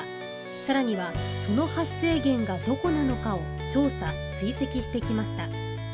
さらにはその発生源がどこなのかを調査追跡してきました。